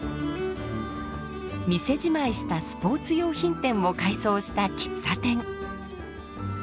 店じまいしたスポーツ用品店を改装した喫茶店。